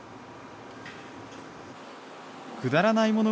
くだらないもの